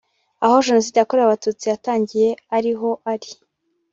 aho Jenoside yakorewe Abatutsi yatangiye ari ho ari